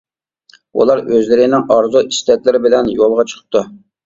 ئۇلار ئۆزلىرىنىڭ ئارزۇ ئىستەكلىرى بىلەن يولغا چىقىپتۇ.